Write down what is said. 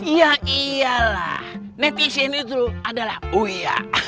ya iyalah netizen itu adalah uya